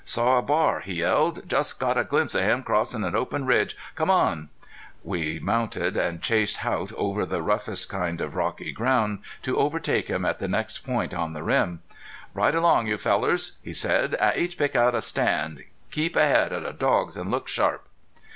"Saw a bar," he yelled. "Just got a glimpse of him crossin' an open ridge. Come on." We mounted and chased Haught over the roughest kind of rocky ground, to overtake him at the next point on the rim. "Ride along, you fellars," he said, "an' each pick out a stand. Keep ahead of the dogs an' look sharp."